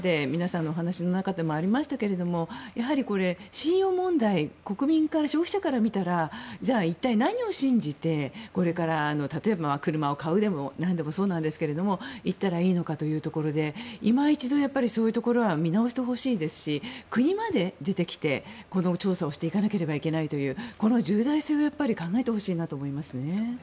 皆さんのお話の中でもありましたが信用問題、国民から消費者から見たら一体何を信じてこれから、例えば車を買うでもなんでもそうですが信じたらいいのかということでいま一度、そういうところは見直してほしいですし国まで出てきてこの調査をしていかなければいけないという重大性を考えてほしいと思います。